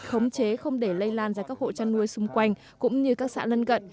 khống chế không để lây lan ra các hộ chăn nuôi xung quanh cũng như các xã lân gận